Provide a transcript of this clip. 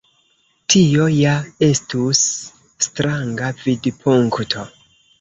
Tio ja estus stranga vidpunkto.